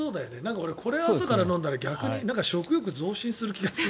俺、これを朝から飲んだら食欲が増進する気がする。